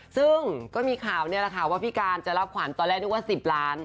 ซึ่งก็มีข่าวว่าพี่การจะรับขวานตอนแรกนึกว่า๑๐ล้าน